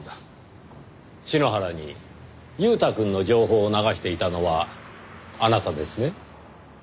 篠原に裕太くんの情報を流していたのはあなたですね？